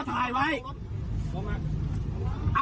ผมไม่หนี